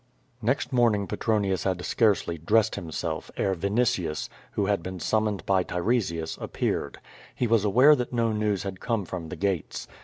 Next morning Petronius had scarcely dressed himself ere Vinitius, who had been summoned by Tiresias, appeared. He was aware that no news had come from the gates.